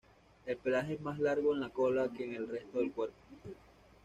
El pelaje es más largo en la cola que en el resto del cuerpo.